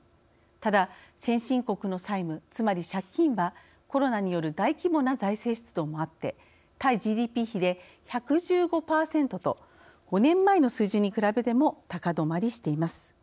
ただ、先進国の債務つまり借金はコロナによる大規模な財政出動もあって対ＧＤＰ比で１１５％と５年前の水準に比べても高止まりしています。